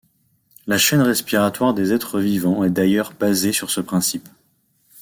La chaîne respiratoire des êtres vivants est d'ailleurs basée sur ce principe.